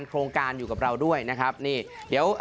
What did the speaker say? ต้องเจอได้เลย